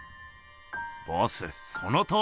ボスそのとおりっす。